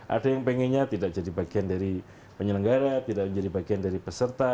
ada yang pengennya tidak jadi bagian dari penyelenggara tidak menjadi bagian dari peserta